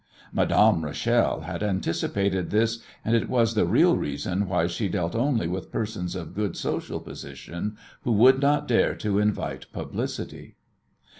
Madame Rachel had anticipated this, and it was the real reason why she dealt only with persons of good social position who would not dare to invite publicity.